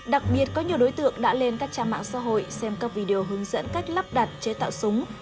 đặc biệt có nhiều đối tượng đã lên các trang mạng xã hội xem các video hướng dẫn cách lắp đặt chế tạo súng